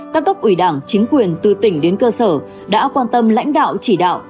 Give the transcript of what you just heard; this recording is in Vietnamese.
các cấp ủy đảng chính quyền từ tỉnh đến cơ sở đã quan tâm lãnh đạo chỉ đạo